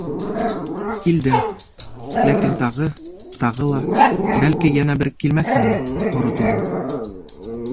— Килдең, ләкин тағы, тағы ла, бәлки, йәнә бер килмәҫһеңме, Һоро Туған?